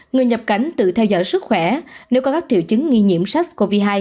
người nhập cảnh tự theo dõi sức khỏe nếu có các triệu chứng nghi nhiễm sars cov hai